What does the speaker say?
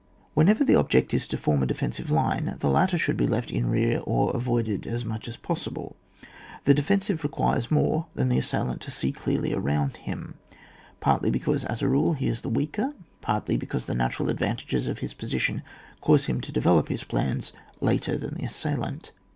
Whenever the object is to form a de fensive line, the latter should be left in rear or avoided as much as possible. The defensive requires more than the assailant to see clearly round him, partly because, as a rule, he is the weaker, partly because the natural advantages of his position cause him to develop his plans later than the assailant.